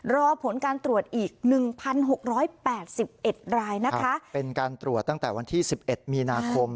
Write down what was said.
รอผลการตรวจอีก๑๖๘๐รายนะคะเป็นการตรวจตั้งแต่วันที่๑๑มีนาคม